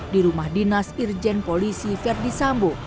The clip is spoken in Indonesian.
di rumah dinas irjen polisi verdi sambo